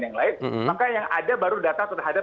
yang lain maka yang ada baru data terhadap